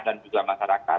dan juga masyarakat